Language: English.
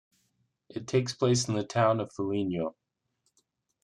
It takes place in the town of Foligno.